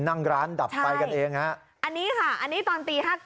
นั่งร้านดับไฟกันเองฮะอันนี้ค่ะอันนี้ตอนตี๕๙